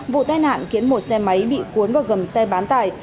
vụ tai nạn khiến một xe máy bị cuốn vào gầm xe bán tải